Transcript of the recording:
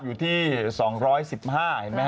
อยู่ที่๒๑๕เห็นไหมฮ